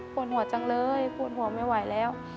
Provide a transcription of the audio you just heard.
ปวดหัวจังเลยปวดหัวไม่ไหวแล้ว